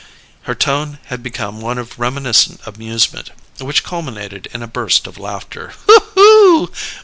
Her tone had become one of reminiscent amusement, which culminated in a burst of laughter.